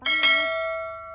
bukan kue basahnya